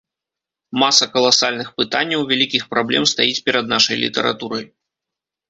Маса каласальных пытанняў, вялікіх праблем стаіць перад нашай літаратурай.